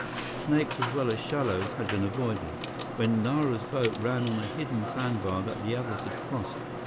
Snakes as well as shallows had been avoided, when Nara's boat ran on a hidden sandbar that the others had crossed.